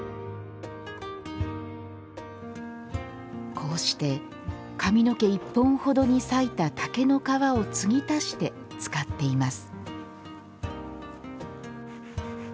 こうして髪の毛１本ほどに割いた竹の皮を継ぎ足して使っています